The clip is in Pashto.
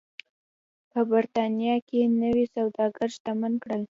په برېټانیا کې نوي سوداګر شتمن کړل.